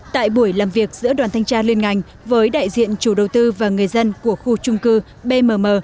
tại buổi làm việc giữa đoàn thanh tra liên ngành với đại diện chủ đầu tư và người dân của khu trung cư bmm